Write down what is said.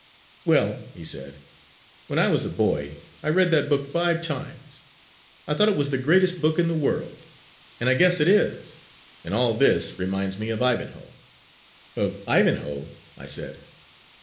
"Well," he said, "when I was a boy I read that book five times. I thought it was the greatest book in the world, and I guess it is, and all this reminds me of 'Ivanhoe.'" "Of 'Ivanhoe'?" I said.